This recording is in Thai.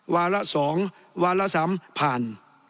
วาระสองวาระสามผ่าน